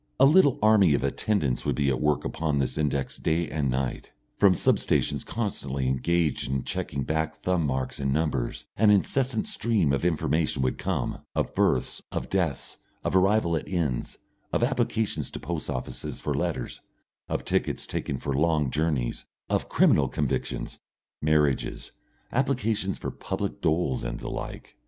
A little army of attendants would be at work upon this index day and night. From sub stations constantly engaged in checking back thumb marks and numbers, an incessant stream of information would come, of births, of deaths, of arrivals at inns, of applications to post offices for letters, of tickets taken for long journeys, of criminal convictions, marriages, applications for public doles and the like.